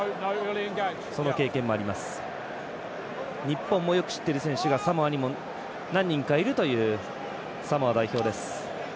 日本もよく知っている選手がサモアにも何人かいるというサモア代表です。